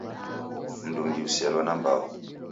Mndu ungi uselo na mmbao